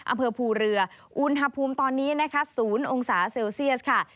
อำเภอภูเรืออุณหภูมิตอนนี้นะคะ๐องศาเซลเซียสค่ะ